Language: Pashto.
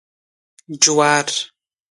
🌽 جوار